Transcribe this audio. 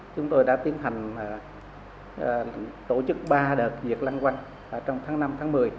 chúng tôi đã tiến hành tổ chức ba đợt diệt lanh quanh trong tháng năm tháng một mươi